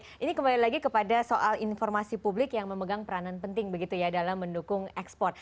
bapak lucia terima kasih juga pada soal informasi publik yang memegang peranan penting begitu ya dalam mendukung ekspor